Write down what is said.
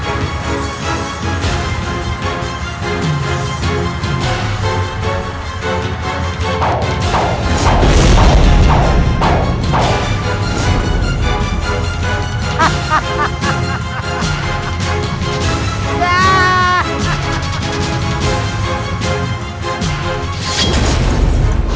oh siri wang